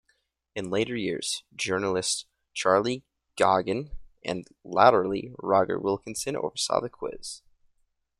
In later years, journalists Charlie Ghagan and, latterly, Roger Wilkinson oversaw the quiz.